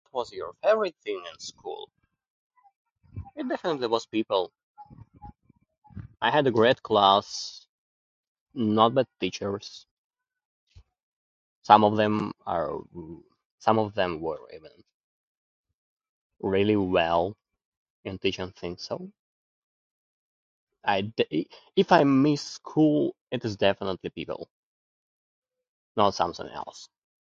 What was your favorite thing in school? It definitely was people. I had a great class, not the teachers. Some of them are... some of them were even really well in teaching things. So, I, if I miss school, it is definitely people, not something else.